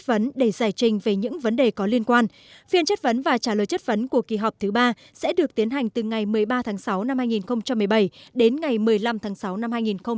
viện chất vấn và trả lời chất vấn của kỳ họp thứ ba sẽ được tiến hành từ ngày một mươi ba tháng sáu năm hai nghìn một mươi bảy đến ngày một mươi năm tháng sáu năm hai nghìn một mươi bảy